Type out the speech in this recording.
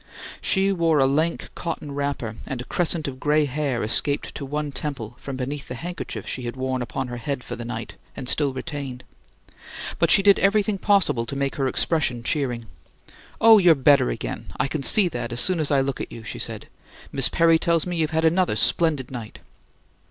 She wore a lank cotton wrapper, and a crescent of gray hair escaped to one temple from beneath the handkerchief she had worn upon her head for the night and still retained; but she did everything possible to make her expression cheering. "Oh, you're better again! I can see that, as soon as I look at you," she said. "Miss Perry tells me you've had another splendid night."